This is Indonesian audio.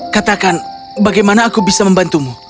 katakan bagaimana aku bisa membantumu